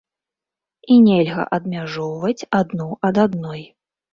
І нельга адмяжоўваць адну ад адной.